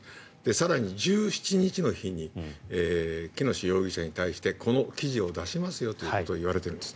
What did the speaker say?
更に１７日の日に喜熨斗容疑者に対してこの記事を出しますよということを言われているんです。